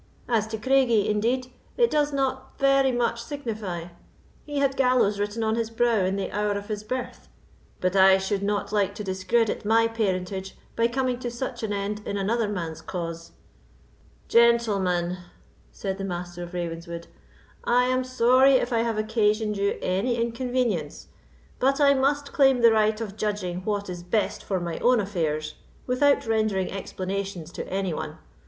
As to Craigie, indeed, it does not very much signify: he had gallows written on his brow in the hour of his birth; but I should not like to discredit my parentage by coming to such an end in another man's cause." "Gentlemen," said the Master of Ravenswood, "I am sorry if I have occasioned you any inconvenience, but I must claim the right of judging what is best for my own affairs, without rendering explanations to any one.